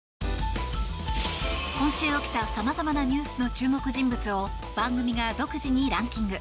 今週起きたさまざまなニュースの注目人物を番組が独自にランキング。